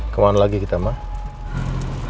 kemana lagi kita mbak